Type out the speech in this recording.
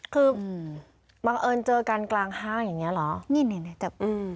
คือบังเอิญเจอกันกลางห้างอย่างเงี้เหรอ